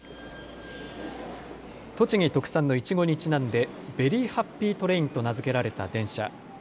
栃木特産のいちごにちなんでベリーハッピートレインと名付けられた電車。